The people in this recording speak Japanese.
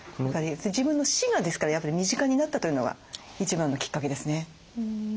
自分の死がですからやっぱり身近になったというのが一番のきっかけですね。